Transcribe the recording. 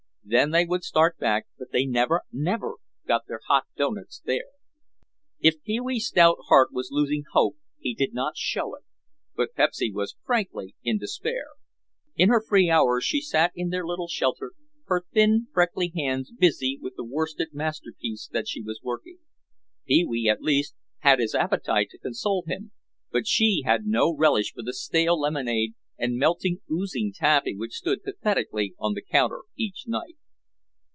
Then they would start back but they never, never got their hot doughnuts there. If Pee wee's stout heart was losing hope he did not show it, but Pepsy was frankly in despair. In her free hours she sat in their little shelter, her thin, freckly hands busy with the worsted masterpiece that she was working. Pee wee, at least, had his appetite to console him, but she had no relish for the stale lemonade and melting, oozy taffy which stood pathetically on the counter each night.